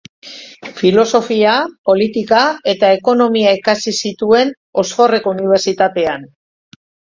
Filosofia, Politika eta Ekonomia ikasi zituen Oxfordeko Unibertsitatean.